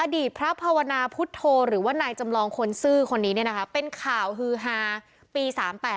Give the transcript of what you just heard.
อดีตพระภาวนาพุทธโธหรือว่านายจำลองคนซื่อคนนี้เป็นข่าวฮือฮาปี๓๘